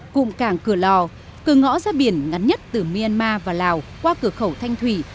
cụm cảng cửa lò cửa ngõ ra biển ngắn nhất từ myanmar và lào qua cửa khẩu thanh thủy